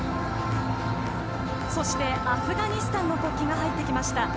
そしてアフガニスタンの国旗が入ってきました。